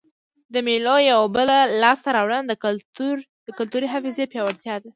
د مېلو یوه بله لاسته راوړنه د کلتوري حافظې پیاوړتیا ده.